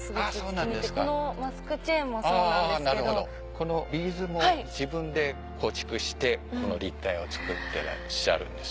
このビーズも自分で構築してこの立体を作ってらっしゃるんです。